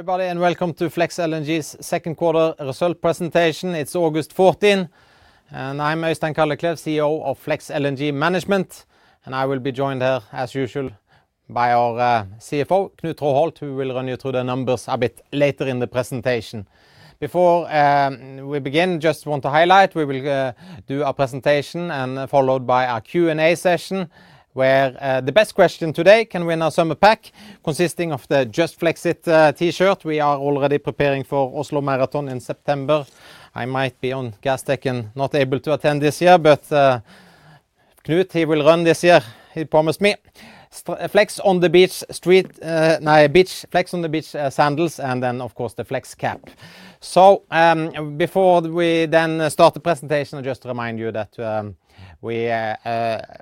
Hi, everybody, and welcome to Flex LNG's second quarter result presentation. It's August 14, and I'm Øystein Kalleklev, CEO of Flex LNG Management, and I will be joined here, as usual, by our CFO, Knut Traaholt, who will run you through the numbers a bit later in the presentation. Before we begin, just want to highlight, we will do a presentation followed by a Q&A session, where the best question today can win a summer pack consisting of the Just Flex It T-shirt. We are already preparing for Oslo Marathon in September. I might be on Gastech and not able to attend this year, but Knut, he will run this year. He promised me. Flex on the beach, street, no, beach, Flex on the Beach, sandals, and then, of course, the Flex cap. So, before we then start the presentation, just to remind you that we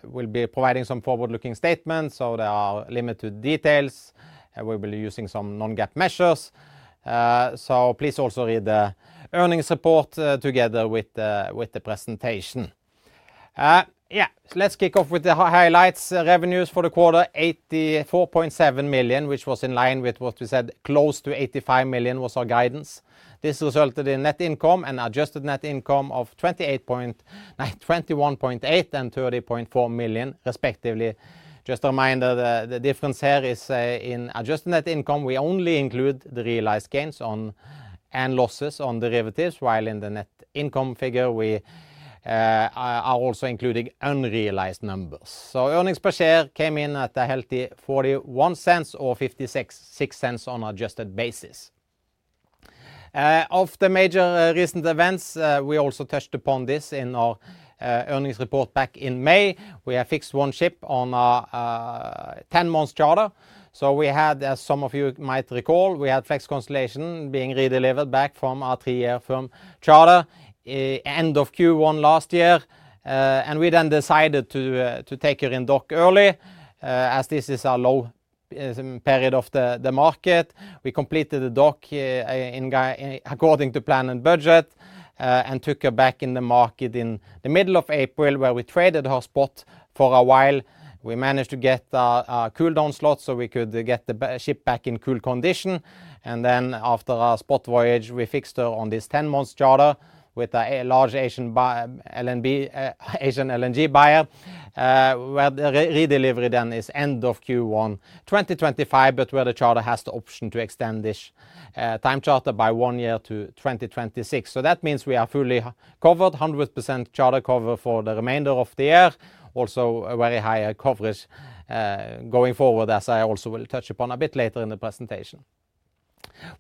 will be providing some forward-looking statements, so there are limited details. We will be using some non-GAAP measures, so please also read the earnings report together with the presentation. Yeah, let's kick off with the highlights. Revenues for the quarter, $84.7 million, which was in line with what we said. Close to $85 million was our guidance. This resulted in net income and adjusted net income of $21.8 million and $30.4 million, respectively. Just a reminder, the difference here is, in adjusted net income, we only include the realized gains on, and losses on derivatives, while in the net income figure, we are also including unrealized numbers. So earnings per share came in at a healthy $0.41 or $0.566 on adjusted basis. Of the major recent events, we also touched upon this in our earnings report back in May. We have fixed one ship on a 10-month charter, so we had, as some of you might recall, we had Flex Constellation being redelivered back from our 3-year firm charter end of Q1 last year, and we then decided to take it in dock early, as this is a low period of the market. We completed the dock according to plan and budget, and took her back in the market in the middle of April, where we traded her spot for a while. We managed to get a cool-down slot so we could get the ship back in cool condition. And then after our spot voyage, we fixed her on this 10-month charter with a large Asian buyer, LNG, Asian LNG buyer, where the redelivery then is end of Q1 2025, but where the charter has the option to extend this time charter by one year to 2026. So that means we are fully covered, 100% charter cover for the remainder of the year. Also, a very high coverage going forward, as I also will touch upon a bit later in the presentation.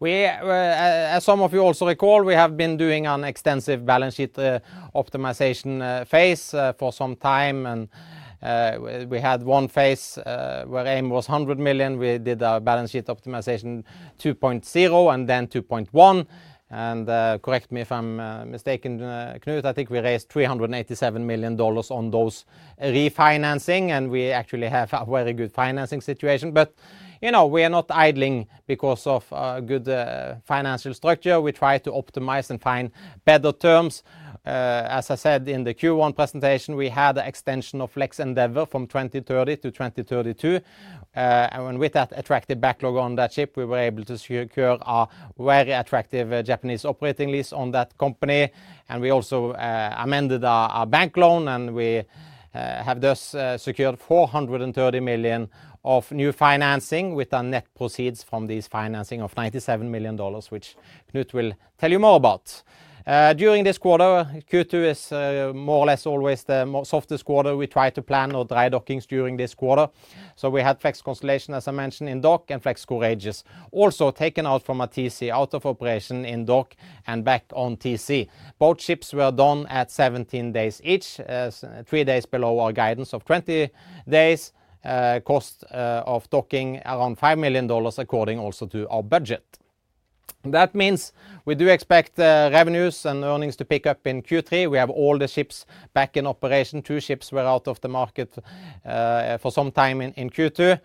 We, as some of you also recall, we have been doing an extensive balance sheet optimization phase for some time, and we had one phase where aim was $100 million. We did a balance sheet optimization 2.0 and then 2.1, and, correct me if I'm mistaken, Knut, I think we raised $387 million on those refinancing, and we actually have a very good financing situation. But, you know, we are not idling because of a good financial structure. We try to optimize and find better terms. As I said in the Q1 presentation, we had an extension of Flex Endeavour from 2030 to 2032, and with that attractive backlog on that ship, we were able to secure a very attractive Japanese operating lease on that company, and we also amended our bank loan, and we have thus secured $430 million of new financing with the net proceeds from this financing of $97 million, which Knut will tell you more about. During this quarter, Q2 is more or less always the softest quarter. We try to plan our dry dockings during this quarter. So we had Flex Constellation, as I mentioned, in dock, and Flex Courageous also taken out from a TC, out of operation in dock and back on TC. Both ships were done at 17 days each, 3 days below our guidance of 20 days, cost of docking around $5 million, according also to our budget. That means we do expect revenues and earnings to pick up in Q3. We have all the ships back in operation. Two ships were out of the market for some time in Q2.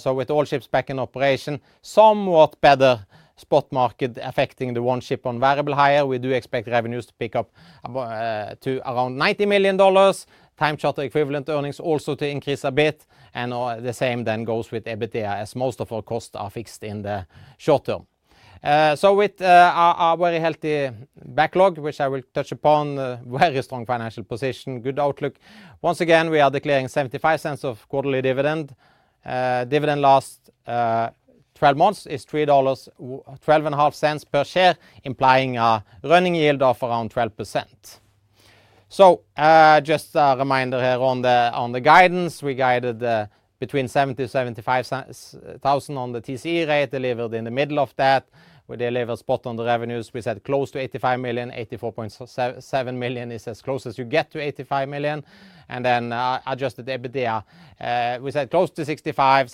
So with all ships back in operation, somewhat better spot market affecting the one ship on variable hire. We do expect revenues to pick up to around $90 million, time charter equivalent earnings also to increase a bit, and the same then goes with EBITDA, as most of our costs are fixed in the short term. So with our very healthy backlog, which I will touch upon, a very strong financial position, good outlook. Once again, we are declaring $0.75 quarterly dividend. Dividend last twelve months is $3.125 per share, implying a running yield of around 12%. So, just a reminder here on the guidance. We guided between $70,000-$75,000 on the TCE rate, delivered in the middle of that. We delivered spot on the revenues. We said close to $85 million. $84.7 million is as close as you get to $85 million. And then, adjusted EBITDA, we said close to $65 million,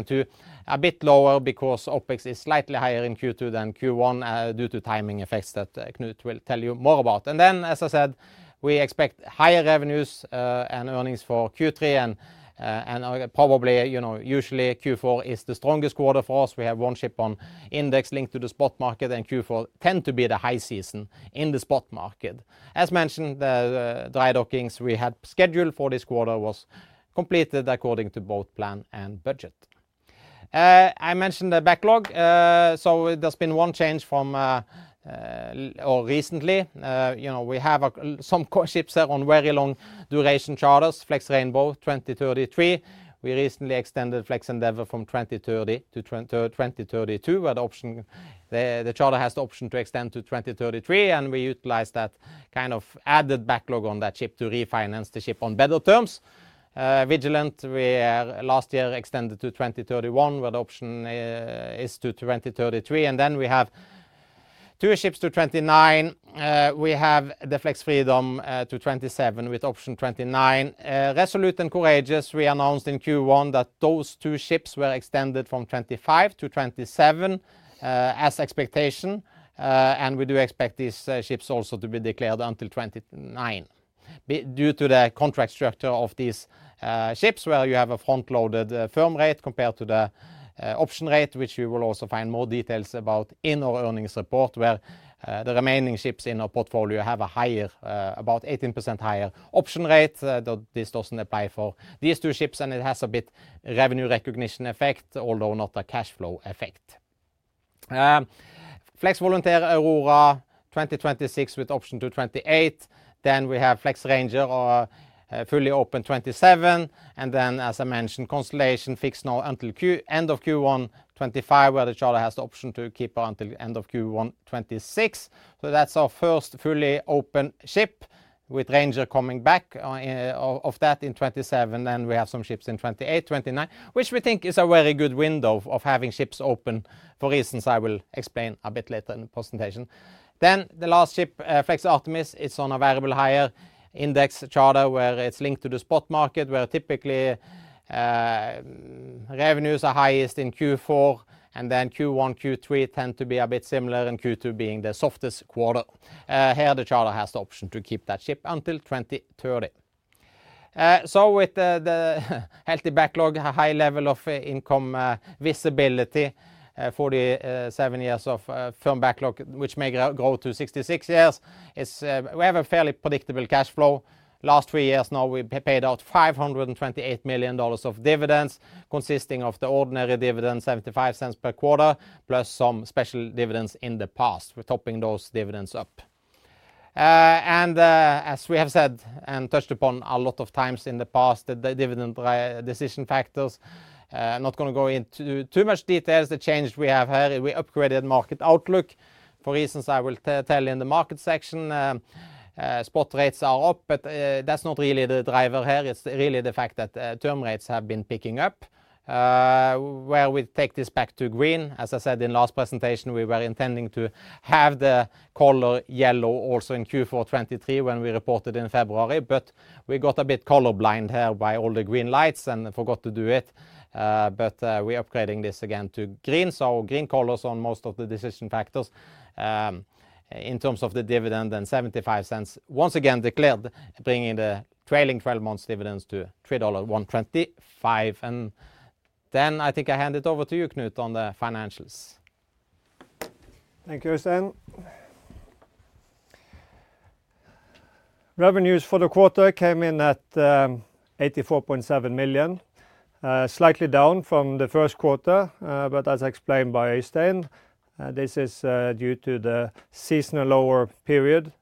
$63.2 million, a bit lower because OpEx is slightly higher in Q2 than Q1, due to timing effects that Knut will tell you more about. And then, as I said, we expect higher revenues and earnings for Q3 and probably, you know, usually Q4 is the strongest quarter for us. We have one ship on index linked to the spot market, and Q4 tend to be the high season in the spot market. As mentioned, the dry dockings we had scheduled for this quarter was completed according to both plan and budget. I mentioned the backlog. So there's been one change from or recently. You know, we have some of our ships on very long duration charters, Flex Rainbow, 2033. We recently extended Flex Endeavour from 2030 to 2032, with option—the charter has the option to extend to 2033, and we utilized that kind of added backlog on that ship to refinance the ship on better terms. Vigilant, we last year extended to 2031, with option is to 2033. Then we have two ships to 2029. We have the Flex Freedom to 2027, with option 2029. Resolute and Courageous, we announced in Q1 that those two ships were extended from 2025 to 2027, as expectation. And we do expect these ships also to be declared until 2029. Due to the contract structure of these ships, where you have a front-loaded firm rate compared to the option rate, which you will also find more details about in our earnings report, where the remaining ships in our portfolio have a higher, about 18% higher option rate. Though this doesn't apply for these two ships, and it has a bit revenue recognition effect, although not a cash flow effect. Flex Volunteer, Aurora, 2026 with option to 2028. Then we have Flex Ranger, fully open 2027. And then, as I mentioned, Constellation fixed now until end of Q1 2025, where the charter has the option to keep on until end of Q1 2026. So that's our first fully open ship, with Ranger coming back, of that in 2027, and we have some ships in 2028, 2029, which we think is a very good window of having ships open, for reasons I will explain a bit later in the presentation. Then the last ship, Flex Artemis, is on a variable hire index charter, where it's linked to the spot market, where typically, revenues are highest in Q4, and then Q1, Q3 tend to be a bit similar, and Q2 being the softest quarter. Here, the charter has the option to keep that ship until 2030. So with the healthy backlog, a high level of income visibility, 47 years of firm backlog, which may go to 66 years, we have a fairly predictable cash flow. Last three years now, we paid out $528 million of dividends, consisting of the ordinary dividend, $0.75 per quarter, plus some special dividends in the past. We're topping those dividends up. And as we have said and touched upon a lot of times in the past, the dividend decision factors, not gonna go into too much details. The change we have here, we upgraded market outlook for reasons I will tell you in the market section. Spot rates are up, but that's not really the driver here. It's really the fact that term rates have been picking up. Where we take this back to green, as I said in last presentation, we were intending to have the color yellow also in Q4 2023 when we reported in February, but we got a bit color blind here by all the green lights and forgot to do it. We are upgrading this again to green, so green colors on most of the decision factors. In terms of the dividend and $0.75, once again declared, bringing the trailing 12 months dividends to $3.25. Then I think I hand it over to you, Knut, on the financials. Thank you, Øystein. Revenues for the quarter came in at $84.7 million, slightly down from the first quarter, but as explained by Øystein, this is due to the seasonal lower period,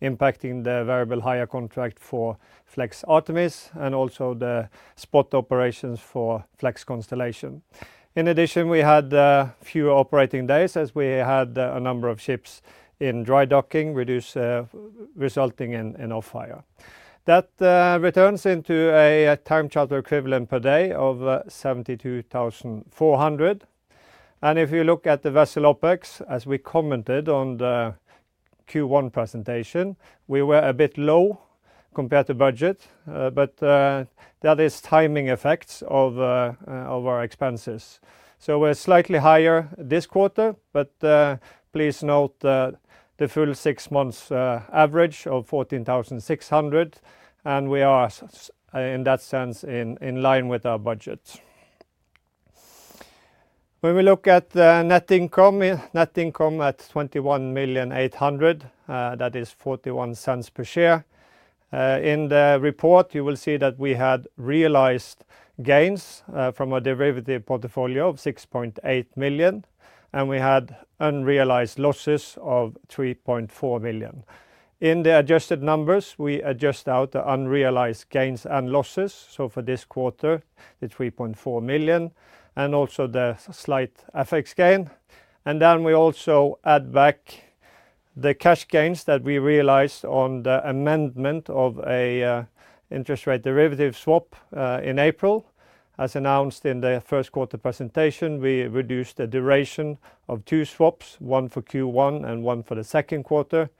impacting the variable hire contract for Flex Artemis and also the spot operations for Flex Constellation. In addition, we had fewer operating days as we had a number of ships in dry docking, resulting in off-hire. That returns into a time charter equivalent per day of $72,400. And if you look at the vessel OpEx, as we commented on the Q1 presentation, we were a bit low compared to budget, but that is timing effects of our expenses. So we're slightly higher this quarter, but please note that the full six months average of $14,600, and we are in that sense in line with our budget. When we look at the net income, net income at $21.8 million, that is $0.41 per share. In the report, you will see that we had realized gains from a derivative portfolio of $6.8 million, and we had unrealized losses of $3.4 million. In the adjusted numbers, we adjust out the unrealized gains and losses, so for this quarter, the $3.4 million, and also the slight FX gain. And then we also add back the cash gains that we realized on the amendment of a interest rate derivative swap in April. As announced in the first quarter presentation, we reduced the duration of two swaps, one for Q1 and one for the second quarter,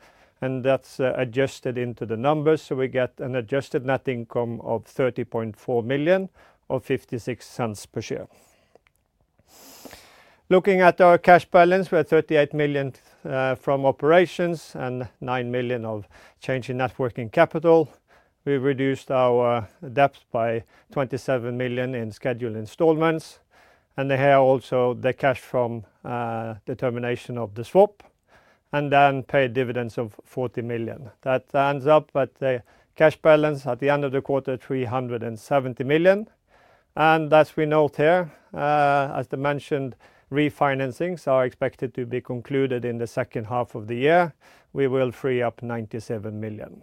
and that's adjusted into the numbers, so we get an Adjusted Net Income of $30.4 million, or $0.56 per share. Looking at our cash balance, we're at $38 million from operations and $9 million of change in net working capital. We reduced our debt by $27 million in scheduled installments, and they have also the cash from the termination of the swap and then pay dividends of $40 million. That ends up at the cash balance at the end of the quarter, $370 million. And as we note here, as the mentioned refinancings are expected to be concluded in the second half of the year, we will free up $97 million.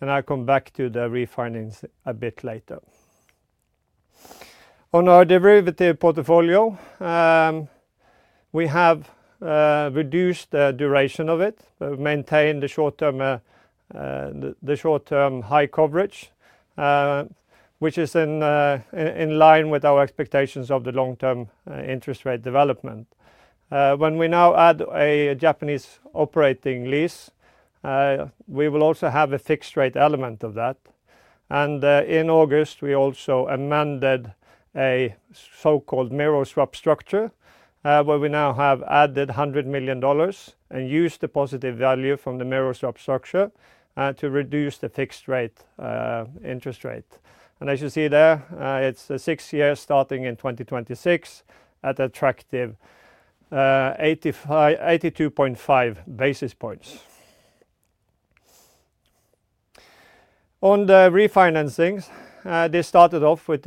And I'll come back to the refinancing a bit later. On our derivative portfolio, we have reduced the duration of it. We've maintained the short term, the short-term high coverage, which is in line with our expectations of the long-term interest rate development. When we now add a Japanese operating lease, we will also have a fixed rate element of that. And in August, we also amended a so-called mirror swap structure, where we now have added $100 million and used the positive value from the mirror swap structure to reduce the fixed rate interest rate. And as you see there, it's six years starting in 2026 at attractive 82.5 basis points. On the refinancings, this started off with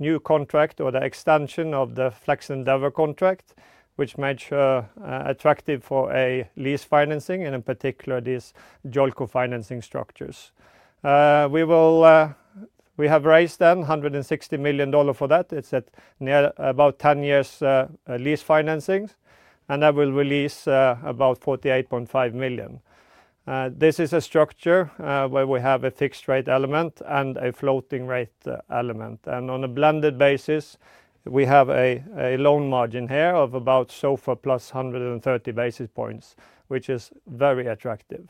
a new contract or the extension of the Flex Endeavour contract, which made sure attractive for a lease financing, and in particular, these JOLCO financing structures. We will, we have raised $160 million for that. It's at near about 10 years lease financings, and that will release about $48.5 million. This is a structure where we have a fixed rate element and a floating rate element. And on a blended basis, we have a loan margin here of about SOFR plus 130 basis points, which is very attractive.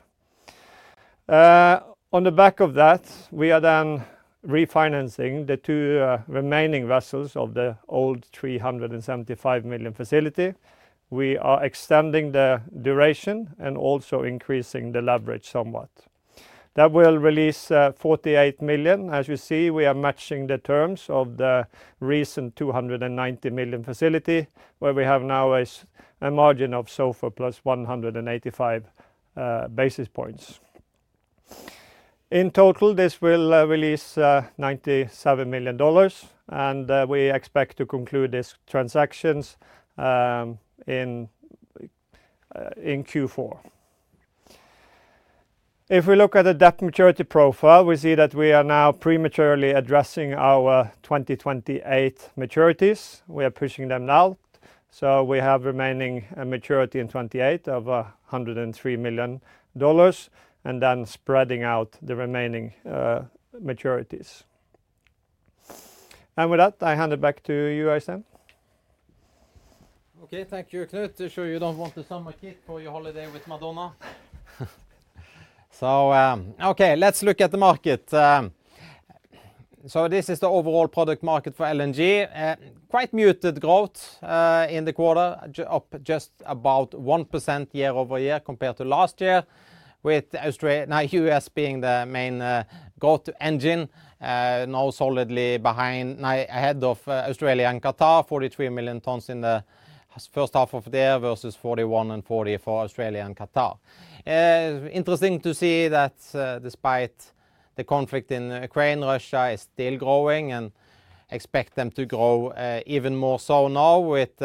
On the back of that, we are then refinancing the two remaining vessels of the old $375 million facility. We are extending the duration and also increasing the leverage somewhat. That will release $48 million. As you see, we are matching the terms of the recent $290 million facility, where we have now a margin of SOFR plus 185 basis points. In total, this will release $97 million, and we expect to conclude these transactions in Q4. If we look at the debt maturity profile, we see that we are now prematurely addressing our 2028 maturities. We are pushing them now, so we have remaining a maturity in 2028 of $103 million, and then spreading out the remaining maturities. And with that, I hand it back to you, Øystein. Okay. Thank you, Knut. To show you don't want the summer kit for your holiday with Madonna. So, okay, let's look at the market. So this is the overall product market for LNG. Quite muted growth in the quarter, up just about 1% year-over-year compared to last year, with Australia, now U.S. being the main growth engine, now solidly behind, now ahead of Australia and Qatar, 43 million tons in the first half of the year versus 41 and 40 for Australia and Qatar. Interesting to see that, despite the conflict in Ukraine, Russia is still growing and expect them to grow, even more so now with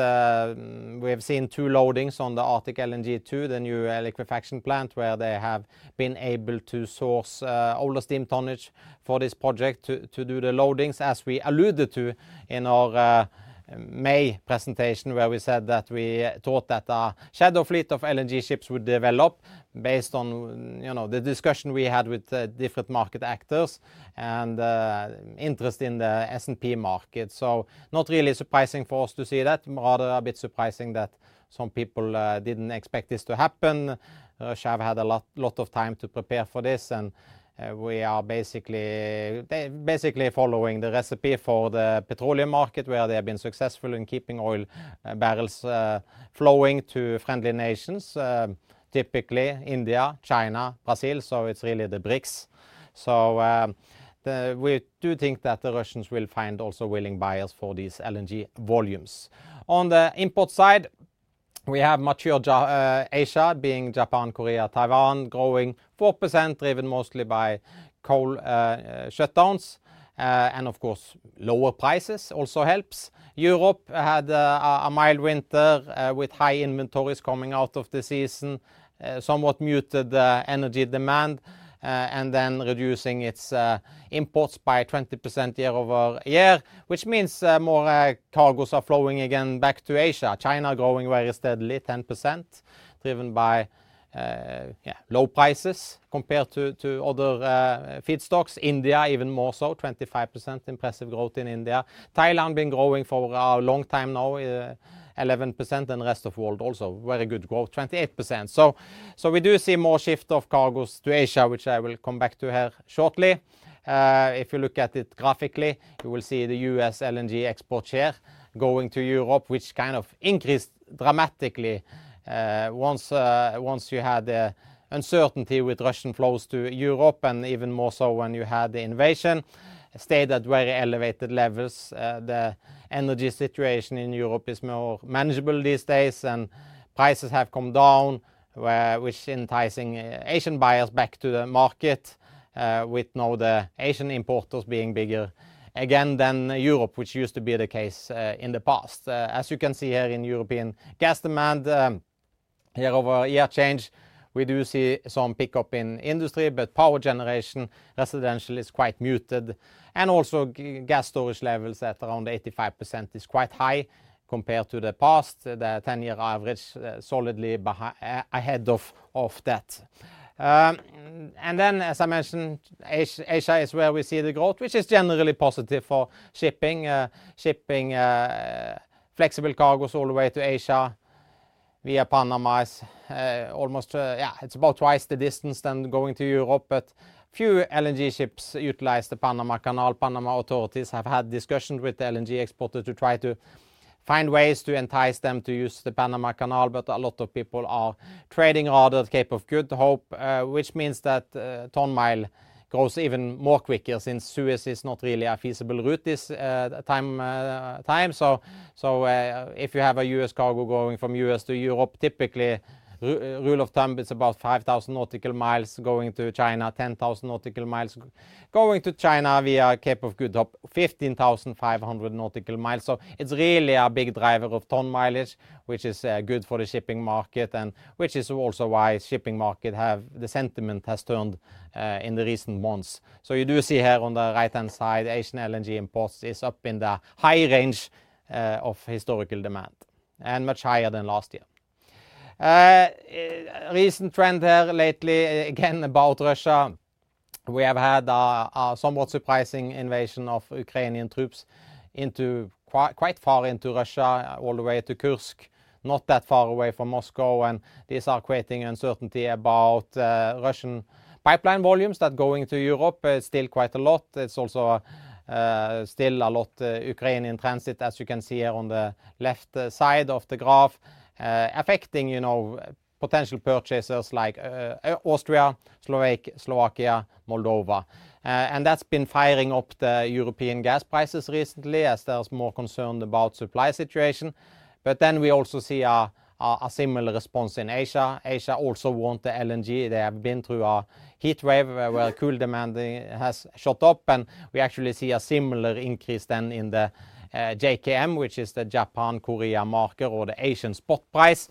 we have seen two loadings on the Arctic LNG 2, the new liquefaction plant, where they have been able to source all the steam tonnage for this project to do the loadings, as we alluded to in our May presentation, where we said that we thought that a shadow fleet of LNG ships would develop based on, you know, the discussion we had with the different market actors and interest in the S&P market. So not really surprising for us to see that. Rather, a bit surprising that some people didn't expect this to happen. Russia have had a lot, lot of time to prepare for this, and, we are basically, they basically following the recipe for the petroleum market, where they have been successful in keeping oil barrels flowing to friendly nations, typically India, China, Brazil, so it's really the BRICS. So, we do think that the Russians will find also willing buyers for these LNG volumes. On the import side, we have mature Asia, being Japan, Korea, Taiwan, growing 4%, driven mostly by coal shutdowns, and of course, lower prices also helps. Europe had a mild winter, with high inventories coming out of the season, somewhat muted the energy demand, and then reducing its imports by 20% year-over-year, which means more cargos are flowing again back to Asia. China growing very steadily, 10%, driven by low prices compared to other feedstocks. India, even more so, 25%, impressive growth in India. Thailand been growing for a long time now, 11%, and rest of world also very good growth, 28%. So we do see more shift of cargos to Asia, which I will come back to here shortly. If you look at it graphically, you will see the U.S. LNG export share going to Europe, which kind of increased dramatically once you had the uncertainty with Russian flows to Europe, and even more so when you had the invasion, stayed at very elevated levels. The energy situation in Europe is more manageable these days, and prices have come down, which is enticing Asian buyers back to the market, with now the Asian importers being bigger again than Europe, which used to be the case in the past. As you can see here in European gas demand, year-over-year change, we do see some pickup in industry, but power generation, residential is quite muted. And also, gas storage levels at around 85% is quite high compared to the past, the ten-year average, solidly ahead of that. And then, as I mentioned, Asia is where we see the growth, which is generally positive for shipping. Shipping flexible cargos all the way to Asia via Panama is almost, yeah, it's about twice the distance than going to Europe, but few LNG ships utilize the Panama Canal. Panama authorities have had discussions with the LNG exporter to try to find ways to entice them to use the Panama Canal, but a lot of people are trading around the Cape of Good Hope, which means that ton-mile goes even more quicker, since Suez is not really a feasible route this time. If you have a U.S. cargo going from U.S. to Europe, typically, rule of thumb, it's about 5,000 nm; going to China, 10,000 nm. Going to China via Cape of Good Hope, 15,500 nm. So it's really a big driver of ton-mile, which is good for the shipping market and which is also why shipping market sentiment has turned in the recent months. So you do see here on the right-hand side, Asian LNG imports is up in the high range of historical demand and much higher than last year. A recent trend there lately, again, about Russia, we have had a somewhat surprising invasion of Ukrainian troops into quite far into Russia, all the way to Kursk, not that far away from Moscow. And these are creating uncertainty about Russian pipeline volumes that going to Europe is still quite a lot. It's also still a lot Ukrainian transit, as you can see here on the left side of the graph, affecting, you know, potential purchasers like Austria, Slovakia, Moldova. And that's been firing up the European gas prices recently as there's more concern about supply situation. But then we also see a similar response in Asia. Asia also want the LNG. They have been through a heatwave where cool demand has shot up, and we actually see a similar increase then in the JKM, which is the Japan-Korea market or the Asian spot price.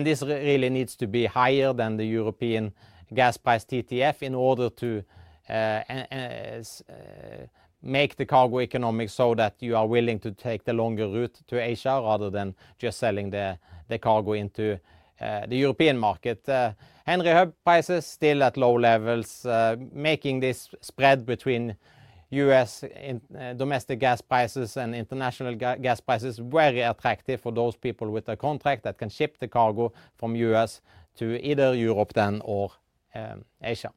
This really needs to be higher than the European gas price, TTF, in order to make the cargo economic so that you are willing to take the longer route to Asia rather than just selling the cargo into the European market. Henry Hub prices still at low levels, making this spread between U.S. and domestic gas prices and international gas prices very attractive for those people with a contract that can ship the cargo from U.S. to either Europe then or Asia.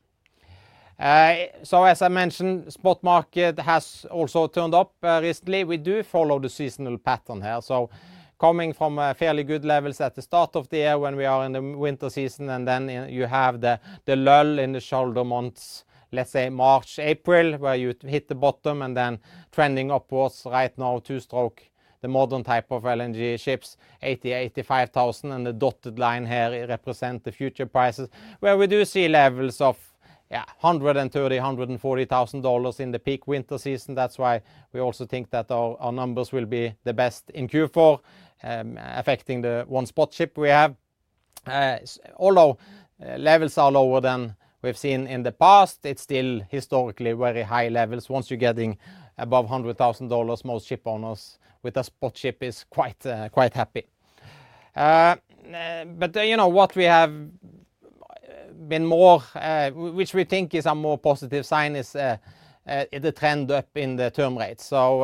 So as I mentioned, spot market has also turned up recently. We do follow the seasonal pattern here, so coming from fairly good levels at the start of the year when we are in the winter season, and then you have the lull in the shoulder months, let's say March, April, where you hit the bottom and then trending upwards. Right now, two-stroke, the modern type of LNG ships, 85,000, and the dotted line here represent the future prices, where we do see levels of, yeah, $130,000-$140,000 in the peak winter season. That's why we also think that our numbers will be the best in Q4, affecting the one spot ship we have. Although levels are lower than we've seen in the past, it's still historically very high levels. Once you're getting above $100,000, most ship owners with a spot ship is quite, quite happy. But, you know, what we have been more, which we think is a more positive sign, is the trend up in the term rates. So,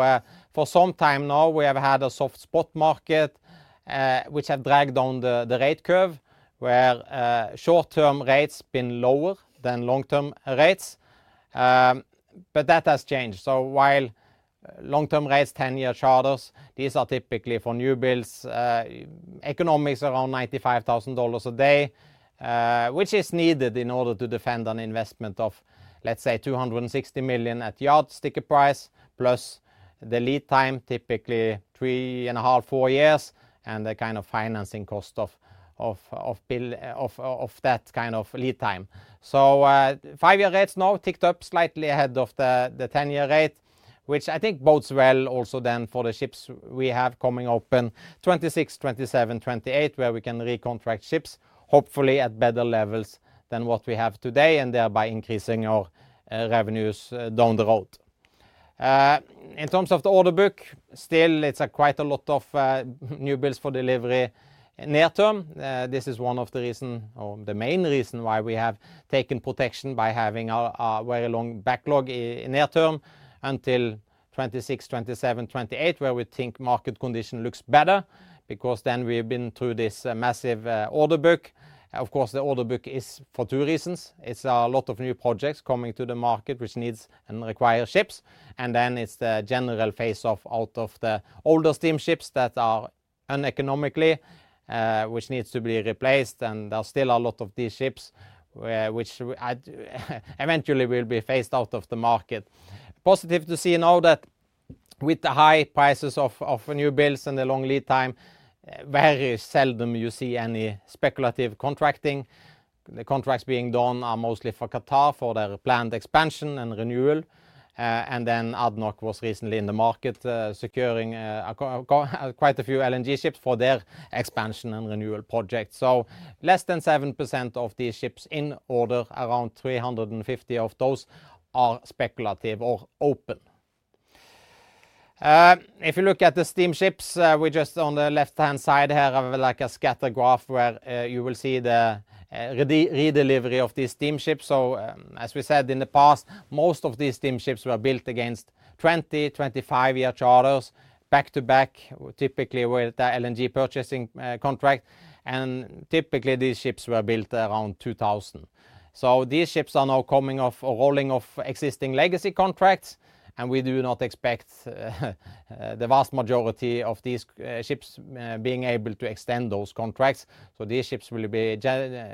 for some time now, we have had a soft spot market, which have dragged down the rate curve, where short-term rates been lower than long-term rates. But that has changed. So while long-term rates, 10-year charters, these are typically for new builds, economics around $95,000 a day, which is needed in order to defend an investment of, let's say, $260 million at yard sticker price, plus the lead time, typically 3.5-4 years, and the kind of financing cost of building that kind of lead time. So, 5-year rates now ticked up slightly ahead of the 10-year rate, which I think bodes well also then for the ships we have coming open 2026, 2027, 2028, where we can recontract ships, hopefully at better levels than what we have today, and thereby increasing our revenues down the road. In terms of the order book, still, it's quite a lot of new builds for delivery near term. This is one of the reason or the main reason why we have taken protection by having a, a very long backlog in near term until 2026, 2027, 2028, where we think market condition looks better, because then we have been through this massive order book. Of course, the order book is for two reasons. It's a lot of new projects coming to the market, which needs and require ships, and then it's the general phase of out of the older steamships that are uneconomically, which needs to be replaced, and there are still a lot of these ships, which eventually will be phased out of the market. Positive to see now that with the high prices of new builds and the long lead time, very seldom you see any speculative contracting. The contracts being done are mostly for Qatar, for their planned expansion and renewal. And then ADNOC was recently in the market, securing quite a few LNG ships for their expansion and renewal project. So less than 7% of these ships in order, around 350 of those are speculative or open. If you look at the steamships, we just on the left-hand side here have, like, a scatter graph where you will see the redelivery of these steamships. So, as we said in the past, most of these steamships were built against 20- and 25-year charters back-to-back, typically with the LNG purchasing contract, and typically, these ships were built around 2000. So these ships are now coming off or rolling off existing legacy contracts, and we do not expect the vast majority of these ships being able to extend those contracts. So these ships will be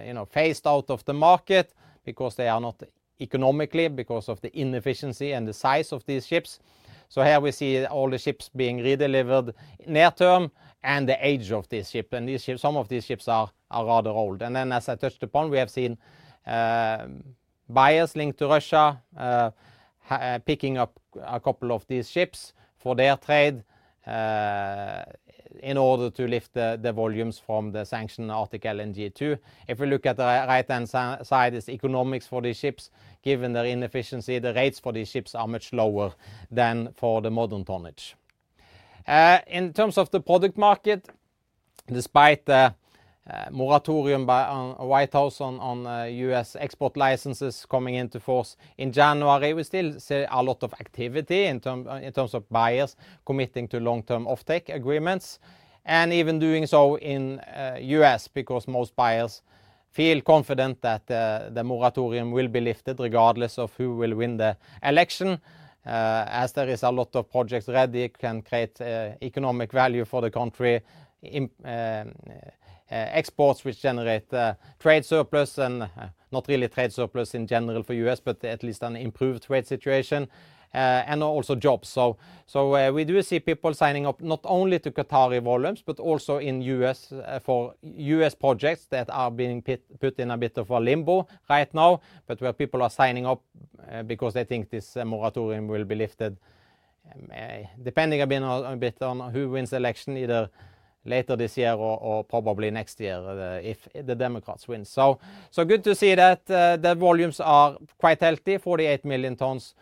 you know, phased out of the market because they are not economically, because of the inefficiency and the size of these ships. So here we see all the ships being redelivered near term and the age of this ship. And these ships, some of these ships are rather old. And then, as I touched upon, we have seen buyers linked to Russia picking up a couple of these ships for their trade in order to lift the volumes from the sanctioned Arctic LNG 2. If we look at the right-hand side, is economics for these ships. Given their inefficiency, the rates for these ships are much lower than for the modern tonnage. In terms of the product market, despite the moratorium by the White House on U.S. export licenses coming into force in January, we still see a lot of activity in terms of buyers committing to long-term offtake agreements, and even doing so in U.S., because most buyers feel confident that the moratorium will be lifted regardless of who will win the election. As there is a lot of projects ready, it can create economic value for the country in exports, which generate trade surplus and not really trade surplus in general for U.S., but at least an improved trade situation, and also jobs. So, we do see people signing up not only to Qatari volumes, but also in U.S., for U.S. projects that are being put in a bit of a limbo right now, but where people are signing up because they think this moratorium will be lifted, depending a bit on who wins the election, either later this year or probably next year, if the Democrats win. So, good to see that, the volumes are quite healthy, 48 million tons,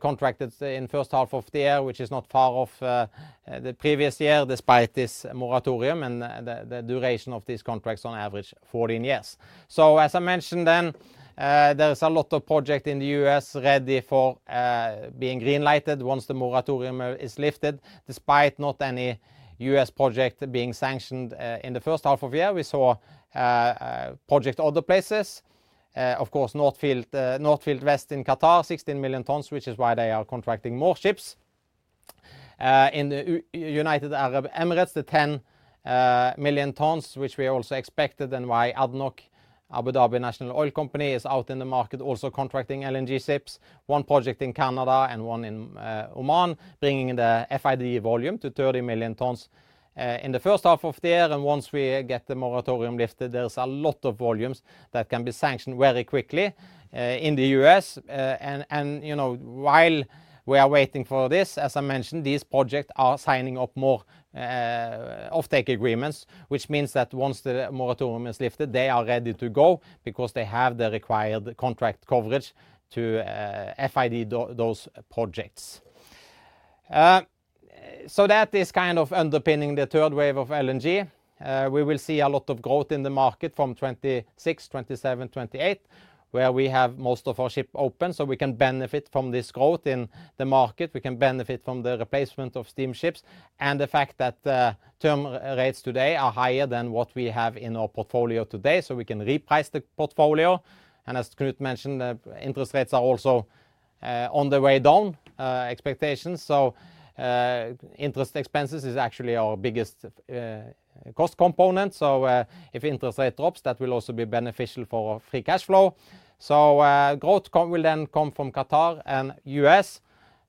contracted in first half of the year, which is not far off, the previous year, despite this moratorium and the duration of these contracts on average 14 years. So, as I mentioned then, there is a lot of project in the U.S. ready for being green-lighted once the moratorium is lifted. Despite not any U.S. project being sanctioned, in the first half of the year, we saw projects in other places. Of course, North Field West in Qatar, 16 million tons, which is why they are contracting more ships. In the United Arab Emirates, the 10 million tons, which we also expected, and why ADNOC, Abu Dhabi National Oil Company, is out in the market also contracting LNG ships, one project in Canada and one in Oman, bringing the FID volume to 30 million tons in the first half of the year. Once we get the moratorium lifted, there's a lot of volumes that can be sanctioned very quickly in the U.S. And, you know, while we are waiting for this, as I mentioned, these projects are signing up more, offtake agreements, which means that once the moratorium is lifted, they are ready to go because they have the required contract coverage to FID those projects. So that is kind of underpinning the third wave of LNG. We will see a lot of growth in the market from 2026, 2027, 2028, where we have most of our ship open, so we can benefit from this growth in the market. We can benefit from the replacement of steam ships and the fact that term rates today are higher than what we have in our portfolio today, so we can reprice the portfolio. And as Knut mentioned, the interest rates are also on the way down, expectations. So, interest expenses is actually our biggest cost component. So, if interest rate drops, that will also be beneficial for free cash flow. So, growth will then come from Qatar and U.S.,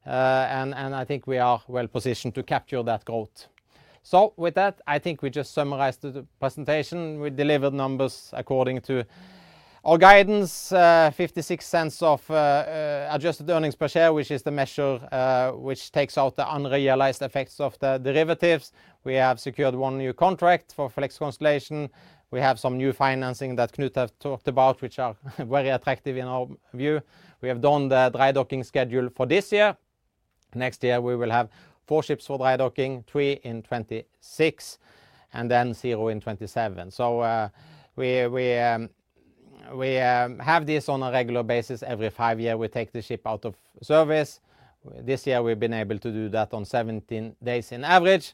and I think we are well positioned to capture that growth. So with that, I think we just summarized the presentation. We delivered numbers according to our guidance, $0.56 of adjusted earnings per share, which is the measure which takes out the unrealized effects of the derivatives. We have secured one new contract for Flex Constellation. We have some new financing that Knut has talked about, which are very attractive in our view. We have done the dry docking schedule for this year. Next year, we will have four ships for dry docking, three in 2026, and then zero in 2027. So, we have this on a regular basis. Every five years, we take the ship out of service. This year, we've been able to do that on 17 days on average.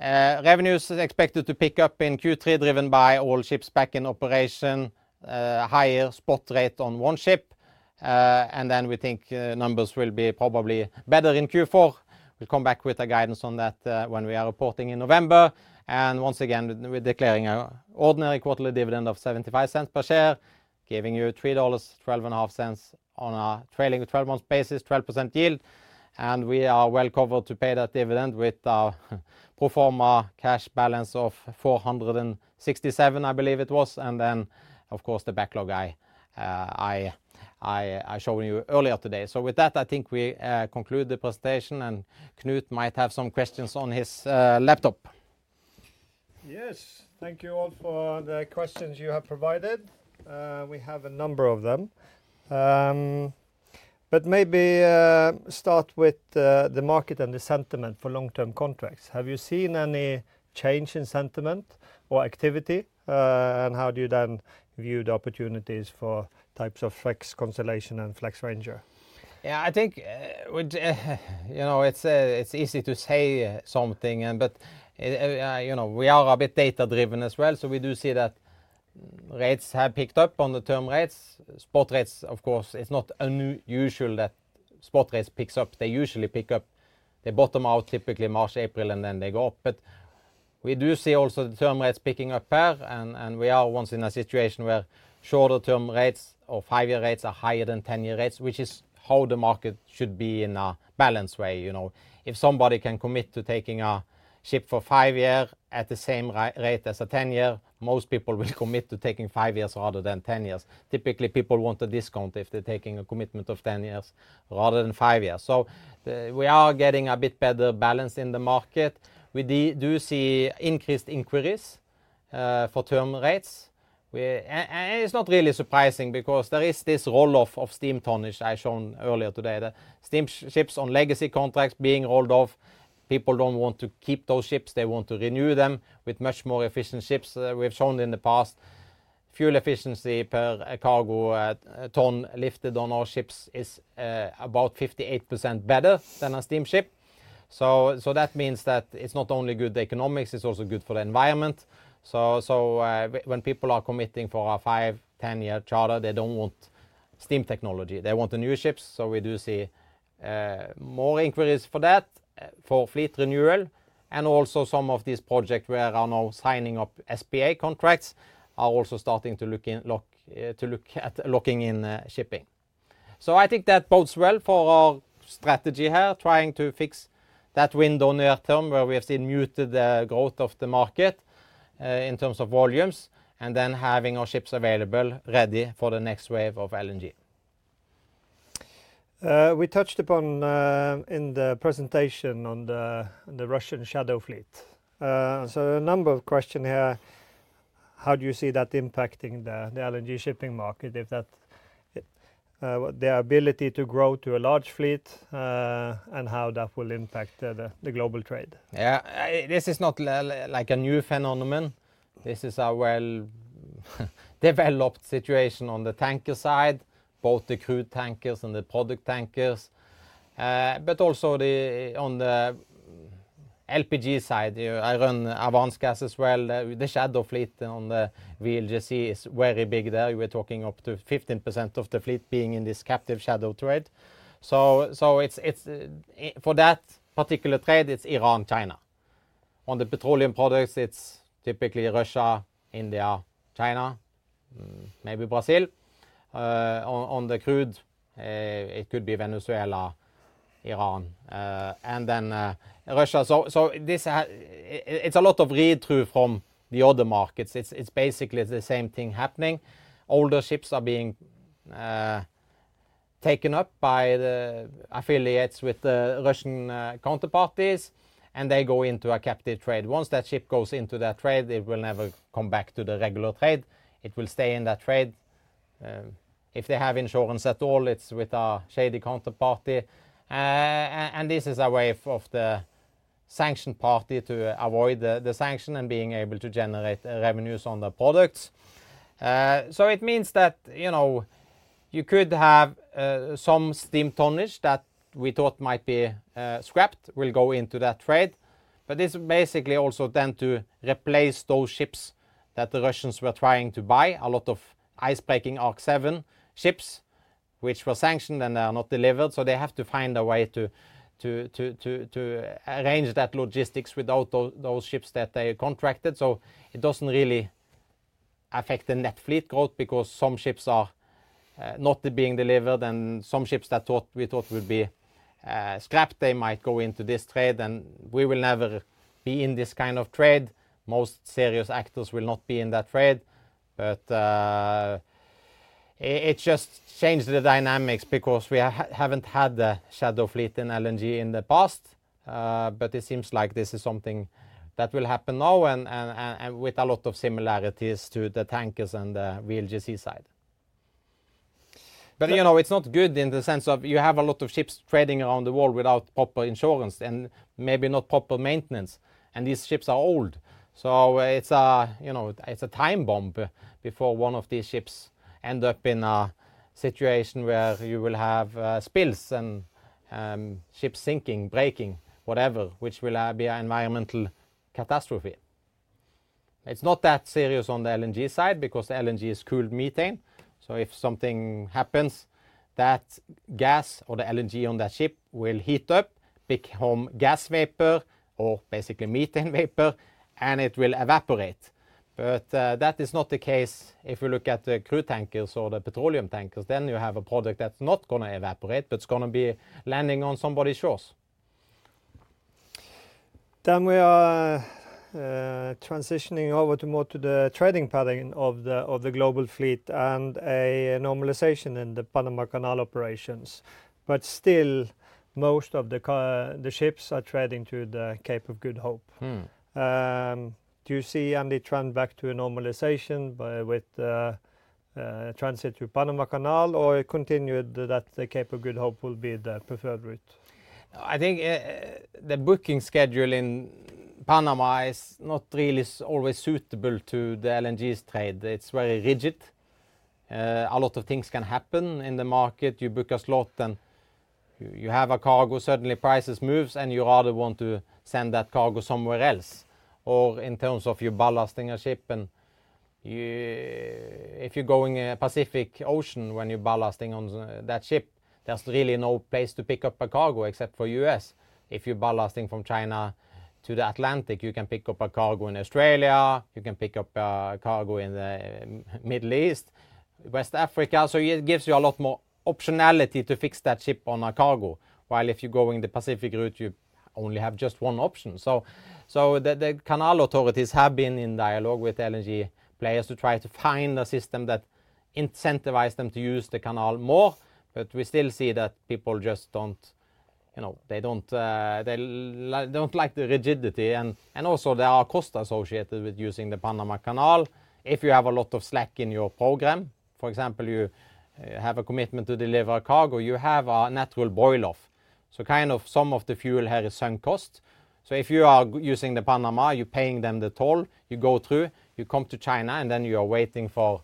Revenues is expected to pick up in Q3, driven by all ships back in operation, higher spot rate on one ship, and then we think, numbers will be probably better in Q4. We'll come back with a guidance on that, when we are reporting in November. And once again, we're declaring our ordinary quarterly dividend of $0.75 per share, giving you $3.125 on a trailing 12-month basis, 12% yield. We are well covered to pay that dividend with our pro forma cash balance of $467, I believe it was, and then, of course, the backlog I showed you earlier today. With that, I think we conclude the presentation, and Knut might have some questions on his laptop. Yes. Thank you all for the questions you have provided. We have a number of them. But maybe start with the market and the sentiment for long-term contracts. Have you seen any change in sentiment or activity? And how do you then view the opportunities for types of Flex Constellation and Flex Ranger? Yeah, I think, you know, it's easy to say something, but you know, we are a bit data-driven as well, so we do see that rates have picked up on the term rates. Spot rates, of course, it's not unusual that spot rates picks up. They usually pick up. They bottom out typically March, April, and then they go up. But we do see also the term rates picking up here, and we are once in a situation where shorter-term rates or five-year rates are higher than 10-year rates, which is how the market should be in a balanced way, you know. If somebody can commit to taking a ship for five year at the same rate as a 10 year, most people will commit to taking five years rather than 10 years. Typically, people want a discount if they're taking a commitment of 10 years rather than 5 years. So, we are getting a bit better balance in the market. We see increased inquiries for term rates. And it's not really surprising because there is this roll-off of steam tonnage I've shown earlier today. The steam ships on legacy contracts being rolled off, people don't want to keep those ships. They want to renew them with much more efficient ships. We've shown in the past, fuel efficiency per a cargo, a ton lifted on our ships is about 58% better than a steamship. So that means that it's not only good economics, it's also good for the environment. When people are committing for a five, 10-year charter, they don't want steam technology. They want the new ships, so we do see more inquiries for that, for fleet renewal, and also some of these projects where are now signing up SPA contracts are also starting to look at locking in shipping. So I think that bodes well for our strategy here, trying to fix that window near term, where we have seen muted growth of the market in terms of volumes, and then having our ships available, ready for the next wave of LNG. We touched upon in the presentation on the Russian Shadow Fleet. So a number of question here, how do you see that impacting the LNG shipping market, if that their ability to grow to a large fleet, and how that will impact the global trade? Yeah, this is not a like a new phenomenon. This is a well developed situation on the tanker side, both the crude tankers and the product tankers, but also the, on the LPG side. I run the Avance Gas as well. The shadow fleet on the VLGC is very big there. We're talking up to 15% of the fleet being in this captive shadow trade. So it's, it's, for that particular trade, it's Iran, China. On the petroleum products, it's typically Russia, India, China, mm, maybe Brazil. On, on the crude, it could be Venezuela, Iran, and then, Russia. So this it's a lot of read-through from the other markets. It's, it's basically the same thing happening. Older ships are being taken up by the affiliates with the Russian counterparties, and they go into a captive trade. Once that ship goes into that trade, it will never come back to the regular trade. It will stay in that trade. If they have insurance at all, it's with a shady counterparty. And this is a way of the sanctioned party to avoid the sanction and being able to generate revenues on the products. So it means that, you know, you could have some steam tonnage that we thought might be scrapped will go into that trade, but this basically also tend to replace those ships that the Russians were trying to buy, a lot of ice-breaking Arc7 ships, which were sanctioned and are not delivered. So they have to find a way to arrange that logistics without those ships that they contracted. So it doesn't really affect the net fleet growth because some ships are not being delivered, and some ships that we thought would be scrapped, they might go into this trade, and we will never be in this kind of trade. Most serious actors will not be in that trade, but it just changed the dynamics because we haven't had the shadow fleet in LNG in the past. But it seems like this is something that will happen now and with a lot of similarities to the tankers and the VLGC side. But, you know, it's not good in the sense of you have a lot of ships trading around the world without proper insurance and maybe not proper maintenance, and these ships are old. So it's a, you know, it's a time bomb before one of these ships end up in a situation where you will have, spills and, ships sinking, breaking, whatever, which will, be an environmental catastrophe. It's not that serious on the LNG side, because the LNG is cooled methane. So if something happens, that gas or the LNG on that ship will heat up, become gas vapor, or basically methane vapor, and it will evaporate. But, that is not the case if you look at the crude tankers or the petroleum tankers, then you have a product that's not gonna evaporate, but it's gonna be landing on somebody's shores. Then we are transitioning over to more to the trading pattern of the global fleet and a normalization in the Panama Canal operations. But still, most of the ships are trading through the Cape of Good Hope. Mm. Do you see any trend back to a normalization by with transit through Panama Canal, or it continued that the Cape of Good Hope will be the preferred route? I think the booking schedule in Panama is not really always suitable to the LNG's trade. It's very rigid. A lot of things can happen in the market. You book a slot, and you have a cargo. Suddenly prices moves, and you rather want to send that cargo somewhere else. Or in terms of you ballasting a ship, and if you're going in the Pacific Ocean when you're ballasting that ship, there's really no place to pick up a cargo except for U.S. If you're ballasting from China to the Atlantic, you can pick up a cargo in Australia, you can pick up a cargo in the Middle East, West Africa. So it gives you a lot more optionality to fix that ship on a cargo. While if you're going the Pacific route, you only have just one option. So the canal authorities have been in dialogue with LNG players to try to find a system that incentivize them to use the canal more, but we still see that people just don't, you know, they don't like the rigidity. And also there are costs associated with using the Panama Canal. If you have a lot of slack in your program, for example, you have a commitment to deliver a cargo, you have a natural boil off. So kind of some of the fuel has a sunk cost. So if you are using the Panama, you're paying them the toll, you go through, you come to China, and then you are waiting for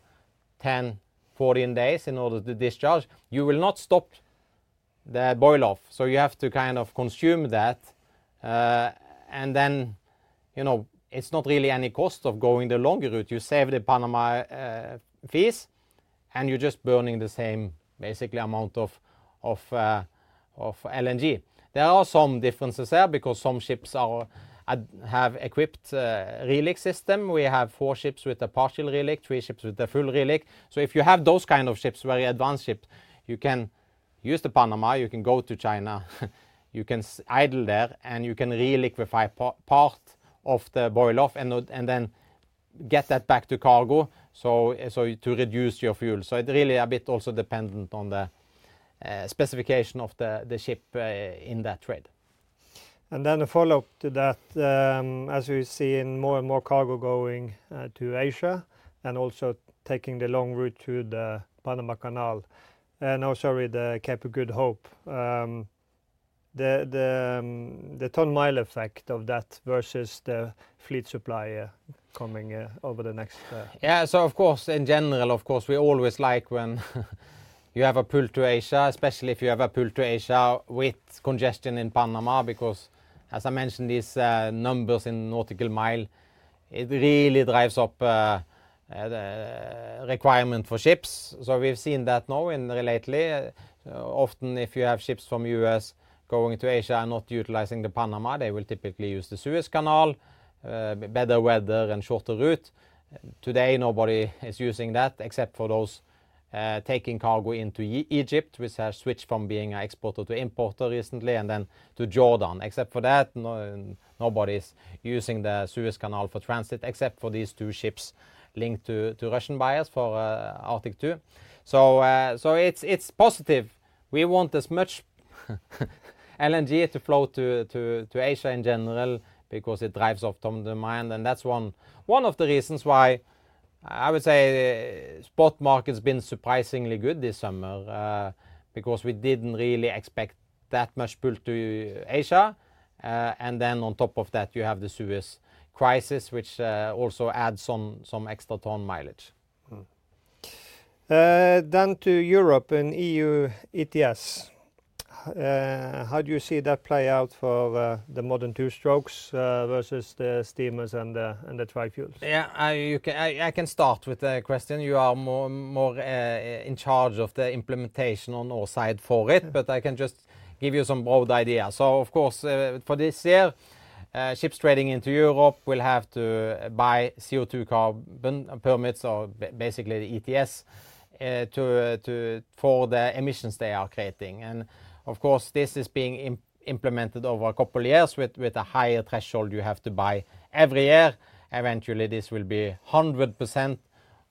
10, 14 days in order to discharge. You will not stop the boil off, so you have to kind of consume that. You know, it's not really any cost of going the longer route. You save the Panama fees, and you're just burning the same basically amount of LNG. There are some differences there because some ships have equipped reliq system. We have four ships with a partial reliq, three ships with the full reliq. So if you have those kind of ships, very advanced ship, you can use the Panama, you can go to China, you can idle there, and you can reliquefy part of the boil off and then get that back to cargo, so to reduce your fuel. So it's really a bit also dependent on the specification of the ship in that trade. And then a follow-up to that, as we see in more and more cargo going to Asia and also taking the long route to the Panama Canal, no, sorry, the Cape of Good Hope, the ton-mile effect of that versus the fleet supply coming over the next. Yeah, so of course, in general, of course, we always like when you have a pull to Asia, especially if you have a pull to Asia with congestion in Panama, because, as I mentioned, these numbers in nautical mile, it really drives up the requirement for ships. So we've seen that now lately. Often, if you have ships from U.S. going to Asia and not utilizing the Panama, they will typically use the Suez Canal, better weather and shorter route. Today, nobody is using that except for those taking cargo into Egypt, which has switched from being an exporter to importer recently, and then to Jordan. Except for that, nobody's using the Suez Canal for transit, except for these two ships linked to Russian buyers for Arctic 2. So, it's positive. We want as much LNG to flow to Asia in general because it drives up ton-mile, and that's one of the reasons why I would say spot market's been surprisingly good this summer, because we didn't really expect that much pull to Asia. And then on top of that, you have the Suez crisis, which also adds some extra ton-mileage. Then to Europe and EU ETS, how do you see that play out for the modern two strokes versus the steamers and the trifuels? Yeah, you can... I can start with the question. You are more, more, in charge of the implementation on our side for it- Yeah... but I can just give you some broad idea. So of course, for this year, ships trading into Europe will have to buy CO2 carbon permits or basically the ETS, to for the emissions they are creating. And of course, this is being implemented over a couple of years with a higher threshold you have to buy every year. Eventually, this will be 100%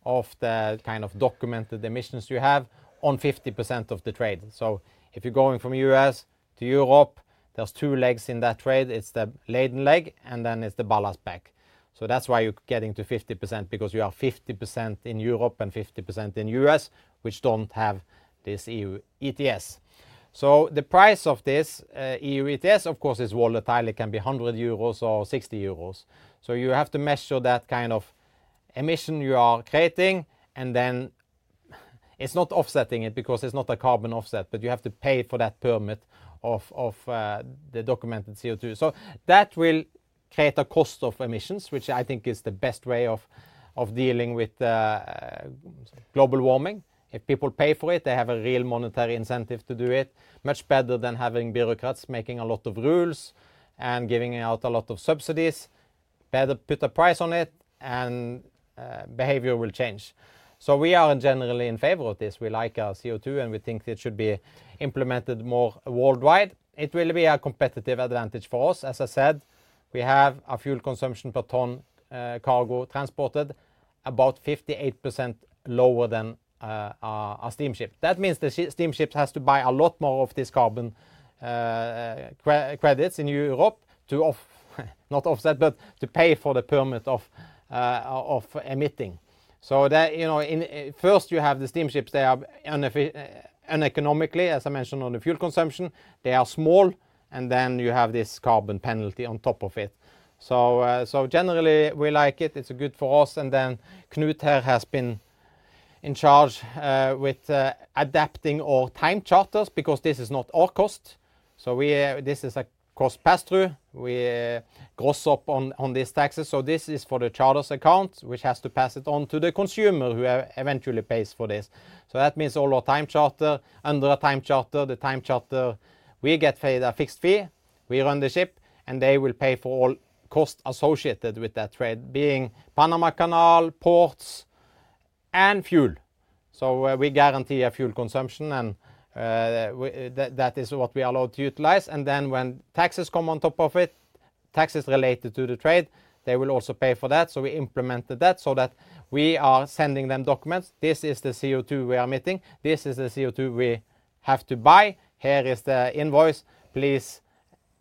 of the kind of documented emissions you have on 50% of the trade. So if you're going from U.S. to Europe, there's two legs in that trade. It's the laden leg, and then it's the ballast back. So that's why you're getting to 50%, because you are 50% in Europe and 50% in U.S., which don't have this EU ETS. So the price of this EU ETS, of course, is volatile. It can be 100 euros or 60 euros. So you have to measure that kind of emission you are creating, and then it's not offsetting it because it's not a carbon offset, but you have to pay for that permit of the documented CO2. So that will create a cost of emissions, which I think is the best way of dealing with global warming. If people pay for it, they have a real monetary incentive to do it, much better than having bureaucrats making a lot of rules and giving out a lot of subsidies. Better put a price on it, and behavior will change. So we are generally in favor of this. We like our CO2, and we think it should be implemented more worldwide. It will be a competitive advantage for us. As I said, we have a fuel consumption per ton cargo transported about 58% lower than a steamship. That means the steamship has to buy a lot more of this carbon credits in Europe to off, not offset, but to pay for the permit of emitting. So that, you know, in first you have the steamships, they are uneconomically, as I mentioned, on the fuel consumption. They are small, and then you have this carbon penalty on top of it. So, so generally, we like it. It's good for us, and then Knut here has been in charge with adapting our time charters, because this is not our cost. So we... this is a cost pass-through. We gross up on these taxes, so this is for the charter's account, which has to pass it on to the consumer, who eventually pays for this. So that means all our time charter, under a time charter, the time charter, we get paid a fixed fee. We run the ship, and they will pay for all costs associated with that trade, being Panama Canal, ports, and fuel. So we guarantee a fuel consumption, and that, that is what we are allowed to utilize. And then when taxes come on top of it, taxes related to the trade, they will also pay for that, so we implemented that so that we are sending them documents. "This is the CO2 we are emitting. This is the CO2 we have to buy. Here is the invoice. Please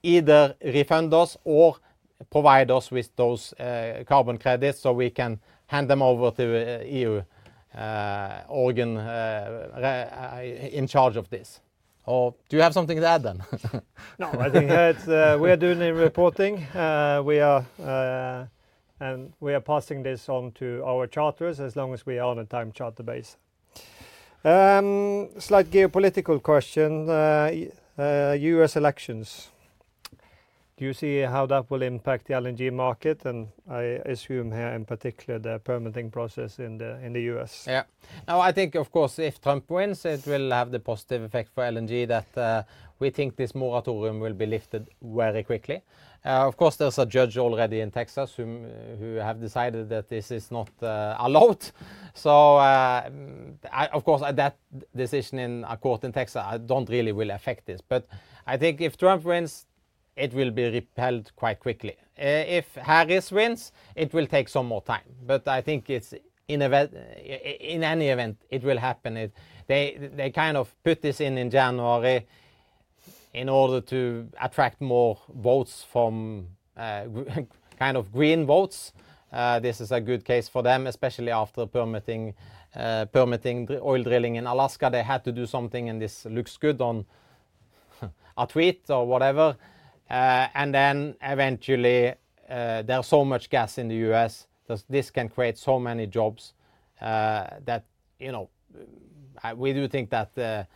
either refund us or provide us with those carbon credits, so we can hand them over to EU organ in charge of this." Or do you have something to add, then? No, I think that's. We are doing the reporting. We are, and we are passing this on to our charterers as long as we are on a time charter basis. Slight geopolitical question, U.S. elections, do you see how that will impact the LNG market? And I assume here, in particular, the permitting process in the U.S. Yeah. No, I think, of course, if Trump wins, it will have the positive effect for LNG that we think this moratorium will be lifted very quickly. Of course, there's a judge already in Texas who have decided that this is not allowed. So, of course, at that decision in a court in Texas, don't really will affect this. But I think if Trump wins, it will be repelled quite quickly. If Harris wins, it will take some more time. But I think it's in any event, it will happen. They kind of put this in January in order to attract more votes from kind of green votes. This is a good case for them, especially after permitting oil drilling in Alaska. They had to do something, and this looks good on a tweet or whatever. Then eventually, there are so much gas in the U.S. that this can create so many jobs, that, you know, we do think that the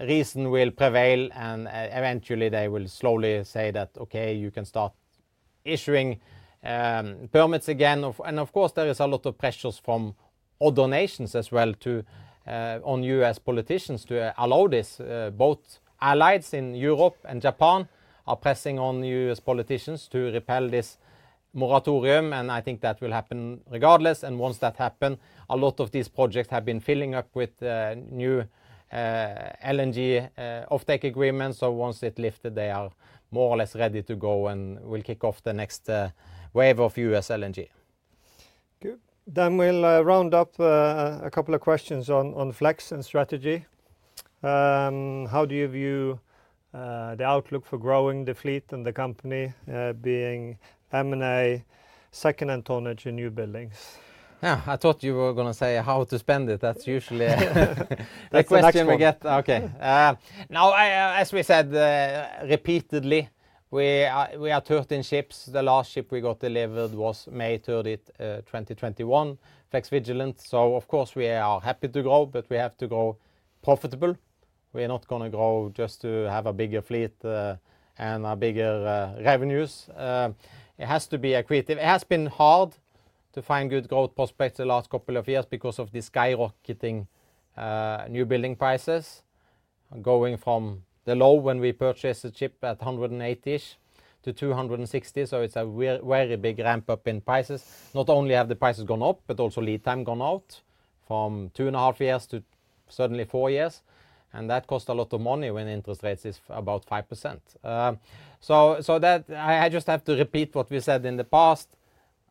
reason will prevail, and eventually, they will slowly say that, "Okay, you can start issuing permits again." Of course, there is a lot of pressures from other nations as well to, on U.S. politicians to allow this. Both allies in Europe and Japan are pressing on the U.S. politicians to repeal this moratorium, and I think that will happen regardless. Once that happen, a lot of these projects have been filling up with, new, LNG, offtake agreements. Once it lifted, they are more or less ready to go and will kick off the next wave of U.S. LNG. Good. Then we'll round up a couple of questions on Flex and strategy. How do you view the outlook for growing the fleet and the company, being M&A, second-hand tonnage and newbuildings? Yeah, I thought you were gonna say how to spend it. That's usually- That's the next one. The question we get. Okay. Now, as we said repeatedly, we are 13 ships. The last ship we got delivered was May 30, 2021, Flex Vigilant, so of course we are happy to grow, but we have to grow profitable. We are not gonna grow just to have a bigger fleet and a bigger revenues. It has to be accretive. It has been hard to find good growth prospects the last couple of years because of the skyrocketing newbuilding prices, going from the low when we purchased the ship at $180-ish to $260. So it's a very big ramp-up in prices. Not only have the prices gone up, but also lead time gone out, from two and a half years to suddenly four years, and that cost a lot of money when interest rates is about 5%. So that... I just have to repeat what we said in the past.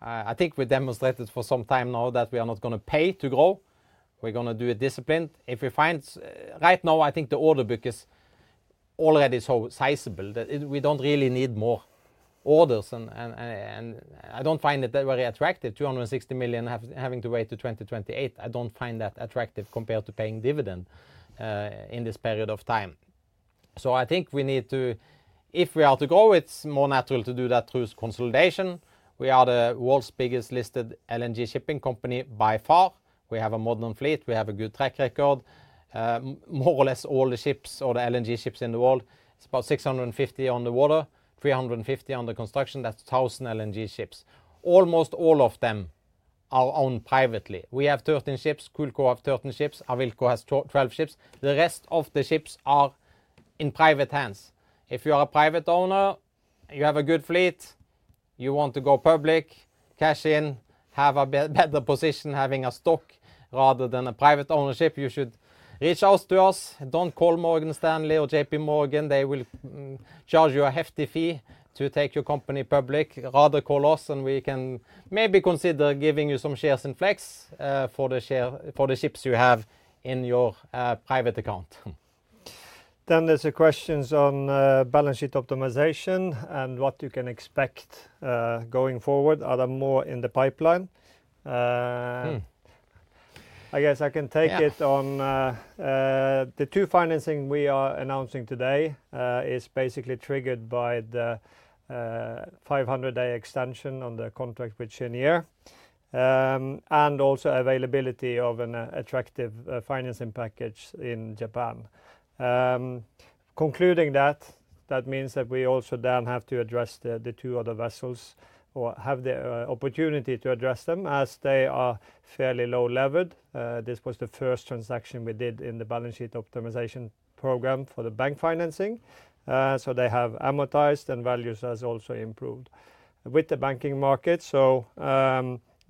I think we demonstrated for some time now that we are not gonna pay to grow. We're gonna do it disciplined. If we find... Right now, I think the order book is already so sizable that, it, we don't really need more orders, and, and, and I don't find it that very attractive. $260 million, having to wait to 2028, I don't find that attractive compared to paying dividend, in this period of time. So I think we need to, if we are to grow, it's more natural to do that through consolidation. We are the world's biggest listed LNG shipping company by far. We have a modern fleet. We have a good track record. More or less, all the ships, all the LNG ships in the world, it's about 650 on the water, 350 under construction. That's 1,000 LNG ships. Almost all of them are owned privately. We have 13 ships. CoolCo have 13 ships. Awilco has 12 ships. The rest of the ships are in private hands. If you are a private owner, you have a good fleet, you want to go public, cash in, have a better position having a stock rather than a private ownership, you should reach out to us. Don't call Morgan Stanley or JPMorgan. They will charge you a hefty fee to take your company public. Rather, call us, and we can maybe consider giving you some shares in Flex for the ships you have in your private account. Then there's the questions on, balance sheet optimization and what you can expect, going forward. Are there more in the pipeline? Hmm. I guess I can take it- Yeah... on the two financing we are announcing today is basically triggered by the 500-day extension on the contract with Cheniere, and also availability of an attractive financing package in Japan. Concluding that, that means that we also then have to address the two other vessels or have the opportunity to address them, as they are fairly low levered. This was the first transaction we did in the balance sheet optimization program for the bank financing. So they have amortized, and values has also improved with the banking market. So,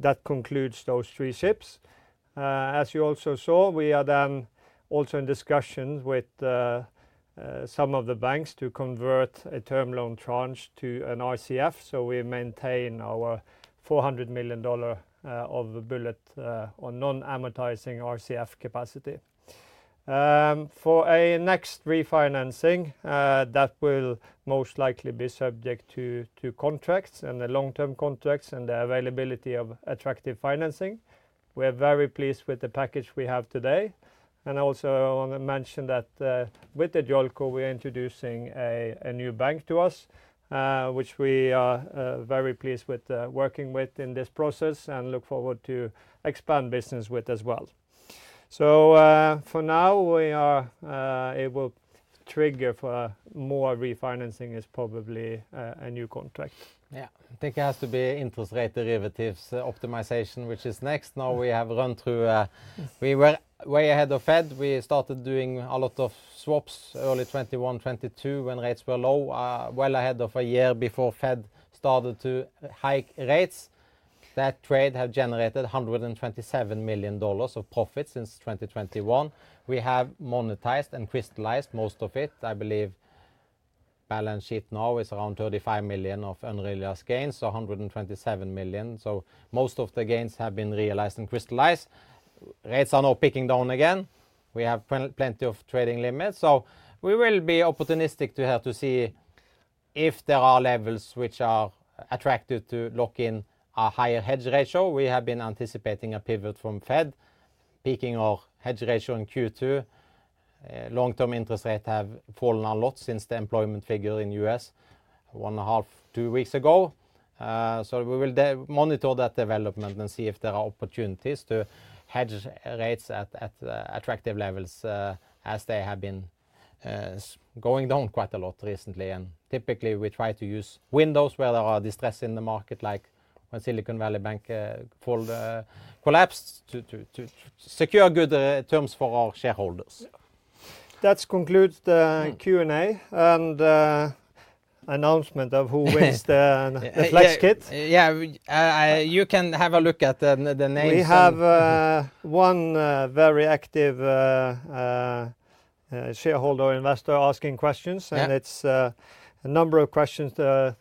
that concludes those three ships. As you also saw, we are then also in discussions with some of the banks to convert a term loan tranche to an RCF, so we maintain our $400 million of bullet or non-amortizing RCF capacity. For a next refinancing, that will most likely be subject to contracts and the long-term contracts and the availability of attractive financing. We are very pleased with the package we have today, and I also want to mention that with the JOLCO, we're introducing a new bank to us, which we are very pleased with working with in this process and look forward to expand business with as well. So, for now, we are able trigger for more refinancing is probably a new contract. Yeah. I think it has to be interest rate derivatives optimization, which is next. Now, we have run through. We were way ahead of Fed. We started doing a lot of swaps early 2021, 2022, when rates were low, well ahead of a year before Fed started to hike rates. That trade have generated $127 million of profit since 2021. We have monetized and crystallized most of it. I believe balance sheet now is around $35 million of unrealized gains, so $127 million. So most of the gains have been realized and crystallized. Rates are now peaking down again. We have plenty of trading limits, so we will be opportunistic to have to see if there are levels which are attractive to lock in a higher hedge ratio. We have been anticipating a pivot from Fed, peaking our hedge ratio in Q2. Long-term interest rate have fallen a lot since the employment figure in U.S., 1.5-2 weeks ago. So we will monitor that development and see if there are opportunities to hedge rates at attractive levels, as they have been going down quite a lot recently. And typically, we try to use windows where there are distress in the market, like when Silicon Valley Bank collapsed, to secure good terms for our shareholders. Yeah. That concludes the Q&A- Hmm... and, announcement of who wins the Flex kit. Yeah, you can have a look at the, the names and- We have one very active shareholder investor asking questions. Yeah. It's a number of questions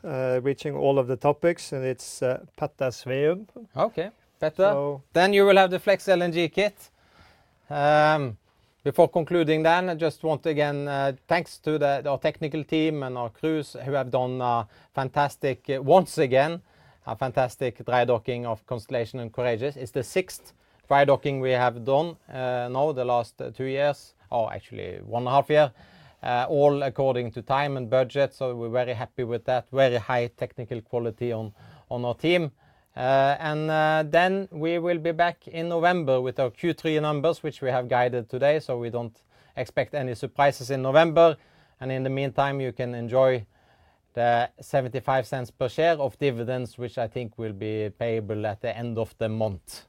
reaching all of the topics, and it's Petter Sveum. Okay, Petter. So- Then you will have the Flex LNG kit. Before concluding, then I just want, again, thanks to our technical team and our crews who have done a fantastic, once again, a fantastic dry docking of Constellation and Courageous. It's the 6th dry docking we have done, now the last two years, or actually 1.5 year, all according to time and budget. So we're very happy with that. Very high technical quality on our team. And, then we will be back in November with our Q3 numbers, which we have guided today, so we don't expect any surprises in November. And in the meantime, you can enjoy the $0.75 per share of dividends, which I think will be payable at the end of the month.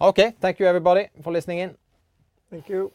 Okay, thank you, everybody, for listening in. Thank you.